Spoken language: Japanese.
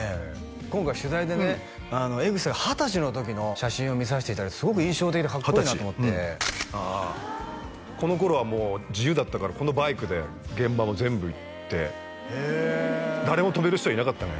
今回取材でね江口さんが二十歳の時の写真を見させていただいてすごく印象的でかっこいいなと思ってあこの頃はもう自由だったからこのバイクで現場も全部行って誰も止める人いなかったね